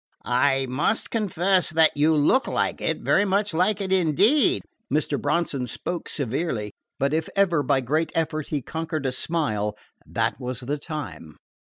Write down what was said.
"I must confess that you look like it very much like it indeed." Mr. Bronson spoke severely, but if ever by great effort he conquered a smile, that was the time.